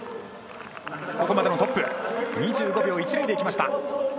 ここまでのトップ、２５秒１０で行きました。